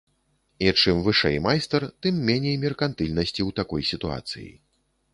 І чым вышэй майстар, тым меней меркантыльнасці ў такой сітуацыі.